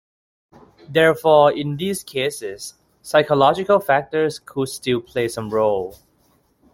Therefore, in these cases, psychological factors could still play some role.